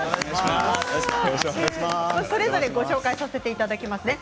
それぞれご紹介させていただきますね。